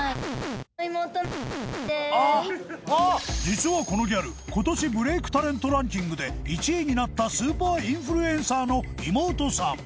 実はこのギャル今年ブレイクタレントランキングで１位になったスーパーインフルエンサーの妹さん